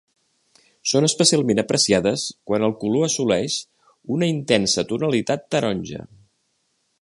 Són especialment apreciades quan el color assoleix una intensa tonalitat taronja.